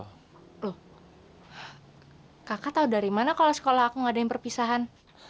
loh kakak tau dari mana kalau sekolah aku gak ada yang perpisahan